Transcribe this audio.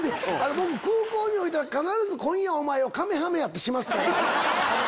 僕空港に降りたら必ず「今夜お前をカメハメハ！」ってしますから。